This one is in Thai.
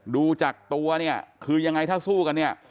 ดูจากตัวเนี่ยคือยังไงถ้าสู้กันเนี่ย